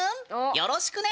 よろしくね。